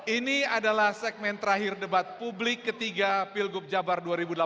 ini adalah segmen terakhir debat publik ketiga pilgub jabar dua ribu delapan belas